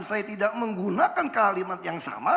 saya tidak menggunakan kalimat yang sama